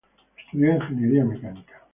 Estudió ingeniería mecánica.